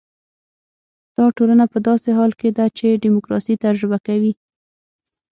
دا ټولنه په داسې حال کې ده چې ډیموکراسي تجربه کوي.